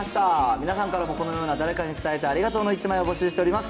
皆さんからもこのような誰かに伝えたいありがとうの１枚を募集しております。